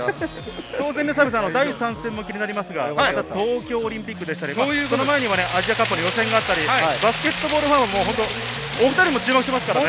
第３戦も気になりますが、東京オリンピックとか、その前にはアジアカップの予選があったりバスケットボールファンはお２人も注目していますからね。